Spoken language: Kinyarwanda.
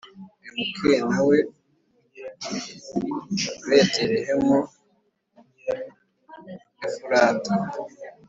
Mk Nawe Betelehemu Efurata